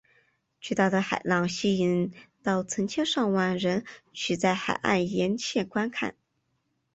巨大的海浪吸引到成千上万人取在海岸沿线观看。